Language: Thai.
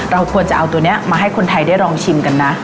เราควรจะเอาตัวนี้มาให้คนไทยได้ลองชิมกันนะ